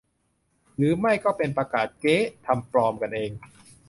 หรือไม่ก็เป็น "ประกาศเก๊" ทำปลอมกันเอง